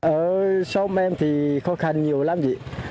ở sông em thì khó khăn nhiều làm gì